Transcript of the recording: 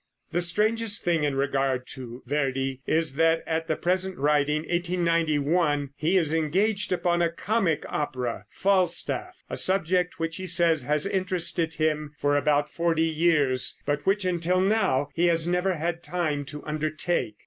The strangest thing in regard to Verdi is that at the present writing (1891) he is engaged upon a comic opera, "Falstaff," a subject which he says has interested him for about forty years, but which until now he has never had time to undertake.